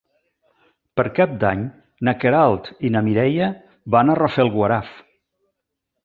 Per Cap d'Any na Queralt i na Mireia van a Rafelguaraf.